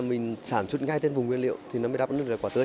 mình sản xuất ngay trên vùng nguyên liệu thì nó mới đáp ứng được hiệu quả tươi